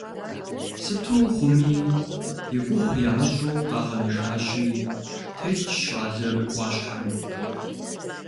Сыту хъуми, и гугъу ямыщӏу къагъэнэжащи, тетщ щӏалэр ӏуащхьэм.